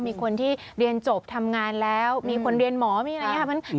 มีคนที่เรียนจบทำงานแล้วมีคนเรียนหมอมีอะไรอย่างนี้ค่ะ